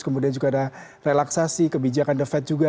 kemudian juga ada relaksasi kebijakan the fed juga